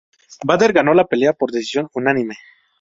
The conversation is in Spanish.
Bader ganó la pelea por decisión unánime.